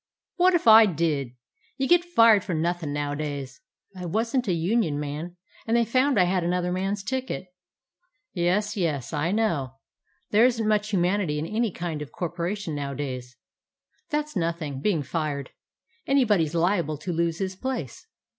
"What if I did? You git fired for nothin' nowadays. I was n't a union man, and they found I had another man's ticket." "Yes, yes, I know. There is n't much hu manity in any kind of corporation nowadays. That 's nothing, being fired. Anybody 's liable to lose his place.